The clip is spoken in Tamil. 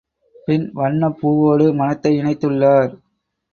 பின் வண்ணப் பூவோடு மணத்தை இணைத்துள்ளார்.